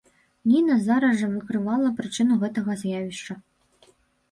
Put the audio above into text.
Ніна зараз жа выкрывала прычыну гэтага з'явішча.